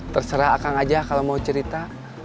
terserah akan aja kalau mau cerita